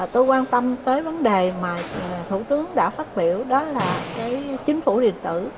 tôi quan tâm tới vấn đề mà thủ tướng đã phát biểu đó là chính phủ liên tử